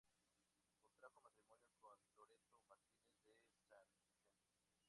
Contrajo matrimonio con Loreto Martínez de San Vicente.